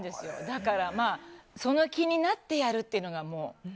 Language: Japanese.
だからその気になってやるというのが。